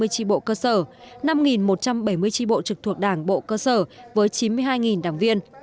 ba mươi tri bộ cơ sở năm một trăm bảy mươi tri bộ trực thuộc đảng bộ cơ sở với chín mươi hai đảng viên